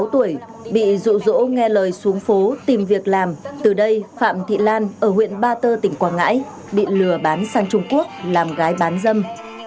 sáu tuổi bị rụ rỗ nghe lời xuống phố tìm việc làm từ đây phạm thị lan ở huyện ba tơ tỉnh quảng ngãi bị lừa bán sang trung quốc làm gái bán dâm